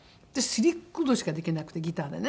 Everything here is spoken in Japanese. ３コードしかできなくてギターでね。